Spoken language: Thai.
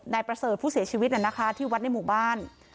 ในประเสริฐผู้เสียชีวิตแนนาคารที่วัดในหมู่บ้าน